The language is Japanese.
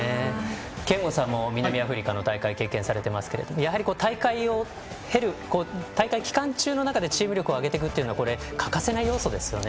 憲剛さんも南アフリカの大会を経験されましたがやはり大会期間中の中でチーム力を上げていくのは欠かせない要素ですよね。